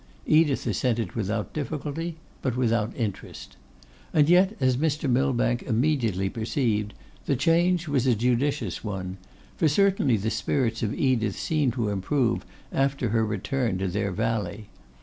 Edith assented without difficulty, but without interest. And yet, as Mr. Millbank immediately perceived, the change was a judicious one; for certainly the spirits of Edith seemed to improve after her return to their valley.